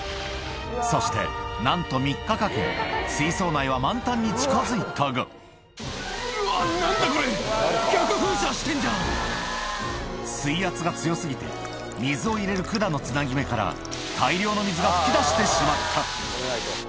そして、なんと３日かけ、うわっ、なんだこれ、水圧が強すぎて、水を入れる管のつなぎ目から大量の水が噴き出してしまった。